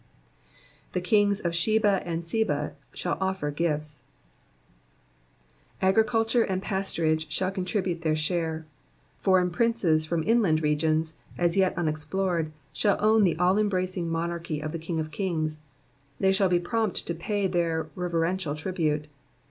^' The kings of Shdni and Seha yJudl offer gifts,'" Agriculture and pasturage shall contribute their share. Foreign princes from inland regions, as yet unexplored, shall own the all embracing monarchy of the King of kings ; they shall be prompt to pay their reverential tribute.